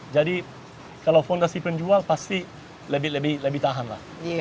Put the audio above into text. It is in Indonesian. jadi kalau fondasi penjual pasti lebih lebih tahan lah